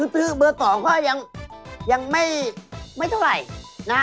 ทึ่เบอร์๒ค่อยังยังไม่ไม่เท่าไรนะ